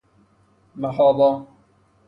محابا